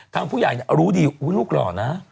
ทางผู้ใหญ่เนี่ยรู้ดีโอ้ยลูกหล่อฮะ